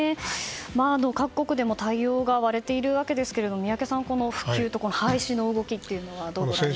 各国でも対応が割れているわけですが宮家さん、普及と廃止の動きはどうご覧になりますか。